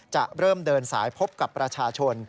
จะเริ่มเดินสายพบกับประชาชน